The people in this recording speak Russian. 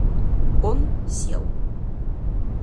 Он сел.